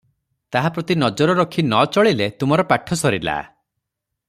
ତାହା ପ୍ରତି ନଜର ରଖି ନ ଚଳିଲେ ତୁମର ପାଠ ସରିଲା ।